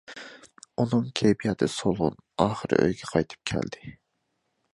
ئۇنىڭ كەيپىياتى سولغۇن، ئاخىرى ئۆيىگە قايتىپ كەلدى.